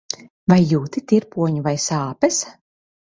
Vai jūti tirpoņu vai sāpes?